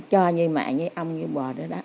cho như mẹ như em